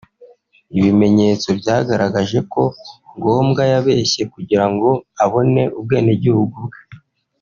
Ibimenyetso byagaragaje ko Ngombwa yabeshye kugira ngo abone ubwenegihugu bwe